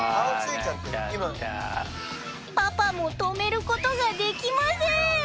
パパも止めることができません。